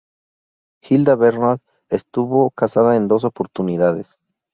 Hilda Bernard estuvo casada en dos oportunidades.